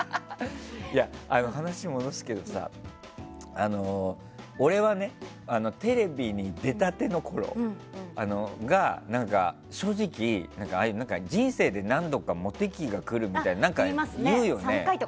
話を戻すけどさ俺はね、テレビに出たてのころが正直、人生で何度かモテ期が来るみたいなことよく言うよね。